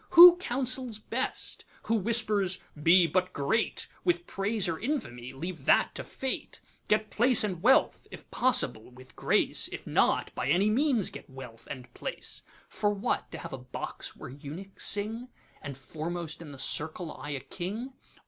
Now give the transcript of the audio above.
Who counsels best? who whispers, 'Be but great, With praise or infamy—leave that to Fate; Get Place and Wealth, if possible with grace; If not, by any means get Wealth and Place:'(For what? to have a Box where eunuchs sing, And foremost in the circle eye a King?)